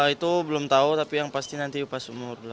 itu belum tahu tapi yang pasti nanti pas umur delapan